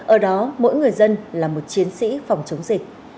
ở đó mỗi người dân là một chiến sĩ phòng chống dịch